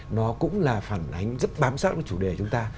nó cũng là phản ánh rất bám sát với chủ đề chúng ta